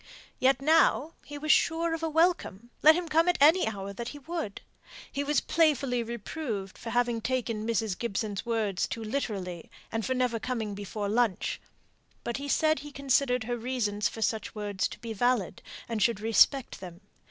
Yet now he was sure of a welcome, let him come at any hour he would. He was playfully reproved for having taken Mrs. Gibson's words too literally, and for never coming before lunch. But he said he considered her reasons for such words to be valid, and should respect them.